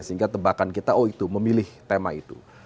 sehingga tebakan kita oh itu memilih tema itu